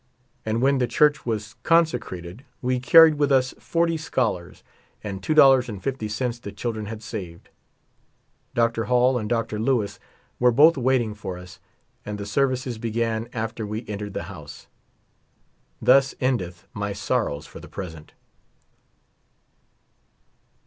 And when the church was consecrated we carried with us forty scholars and $2.50 the children had saved. Dr. Hall and Dr. Lewis were both waiting for us. And the sersices began after we entered the house. Thus endeth my sorrows for the present.